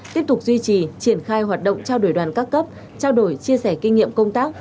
tiếp tục duy trì triển khai hoạt động trao đổi đoàn các cấp trao đổi chia sẻ kinh nghiệm công tác